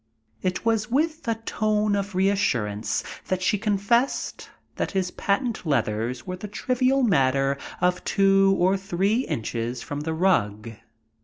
It was with a tone of reassurance that she confessed that his patent leathers were the trivial matter of two or three inches from the rug.